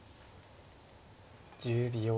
１０秒。